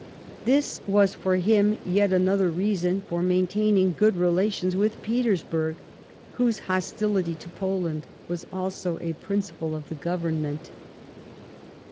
This was, for him, yet another reason for main taining good relations with Petersburg, whose hostility to Poland was also a principle of the Government.